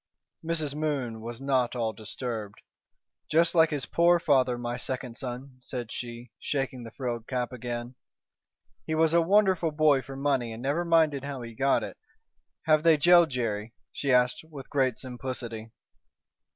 Mrs. Moon was not all disturbed. "Just like his poor father, my second son," said she, shaking the frilled cap again. "He was a wonderful boy for money and never minded how he got it. Have they jailed Jerry?" she asked, with great simplicity.